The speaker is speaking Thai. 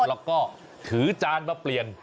แล้วก็ถือจานมาเปลี่ยน